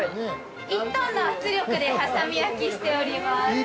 ◆１トンの圧力で挟み焼きしておりまーす。